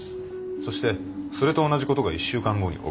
そしてそれと同じことが１週間後に起きた。